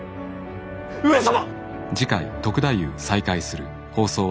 上様！